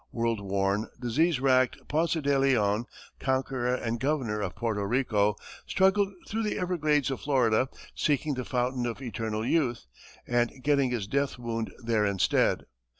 World worn, disease racked Ponce de Leon, conqueror and governor of Porto Rico, struggled through the everglades of Florida, seeking the fountain of eternal youth, and getting his death wound there instead.